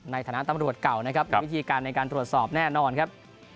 ในฐานะตำรวจเก่านะครับมีวิธีการในการตรวจสอบแน่นอนครับ